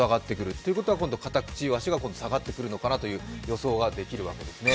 ということは、今度カタクチイワシが下がってくるのかなという予想ができるわけですね。